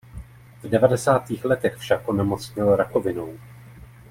V devadesátých letech však onemocněl rakovinou.